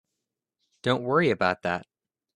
Don't worry about that.